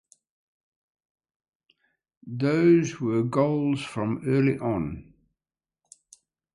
Those were goals from early on.